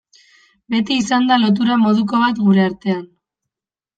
Beti izan da lotura moduko bat gure artean.